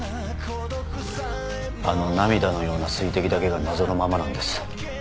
あの涙のような水滴だけが謎のままなんです。